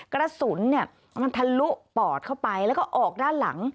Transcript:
กระสุนเนี่ยมันทะลุปอดเข้าไปแล้วก็ออกด้านหลัง